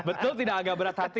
betul tidak agak berat hati